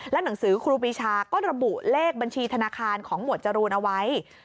หนังสือครูปีชาก็ระบุเลขบัญชีธนาคารของหมวดจรูนเอาไว้